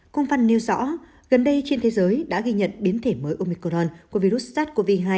công văn nêu rõ gần đây trên thế giới đã ghi nhận biến thể mới omicron của virus sars cov hai